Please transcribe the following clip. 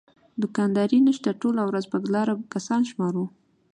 دوکانداري نشته ټوله ورځ په لاره کسان شمارو.